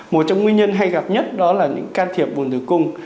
một trong nguyên nhân hay gặp nhất đó là những can thiệp vùng tử cung